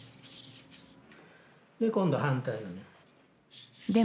で今度反対の面。